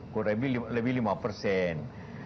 kurang lebih lima persen